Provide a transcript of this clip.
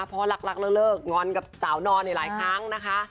เพราะรักเลิกงอนกับสาวนอนในหลายครั้งนะคะ